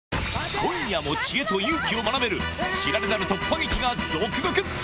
今夜も知恵と勇気を学べる、知られざる突破劇が続々。